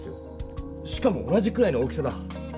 しかも同じくらいの大きさだ。